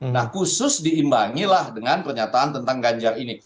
nah khusus diimbangilah dengan pernyataan tentang ganjar ini